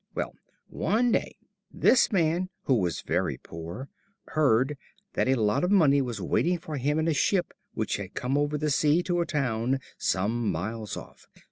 Well, one day this man, who was very poor, heard that a lot of money was waiting for him in a ship which had come over the sea to a town some miles off.